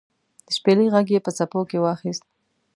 د شپیلۍ ږغ یې په څپو کې واخیست